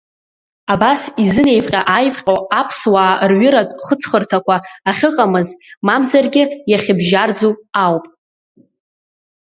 Абас изынеивҟьа-ааивҟьо аԥсуаа рҩыратә хыҵхырҭақәа ахьыҟамыз, мамзаргьы иахьыбжьарӡу ауп.